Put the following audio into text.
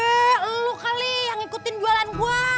eh lu kali yang ngikutin jualan kuah